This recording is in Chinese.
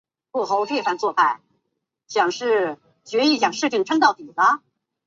现任中国常驻联合国代表。